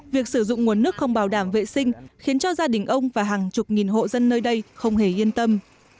việc sử dụng nguồn nước không bảo đảm vệ sinh khiến cho gia đình ông và hàng chục nghìn hộ dân nơi đây không hề yên tâm